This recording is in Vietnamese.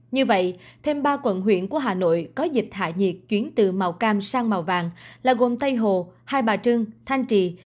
như vậy thêm ba quận huyện của hà nội có dịch hại nhiệt chuyển từ màu cam sang màu vàng là gồm tây hồ hai bà trưng thanh trì